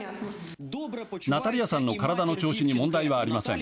ナタリヤさんの体の調子に問題はありません。